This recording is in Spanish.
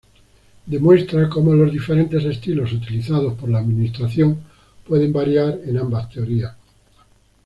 Demuestra cómo los diferentes estilos utilizados por la administración pueden variar en ambas teorías.